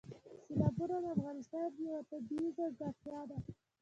سیلابونه د افغانستان یوه طبیعي ځانګړتیا ده.